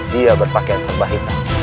dia berpakaian sembah hitam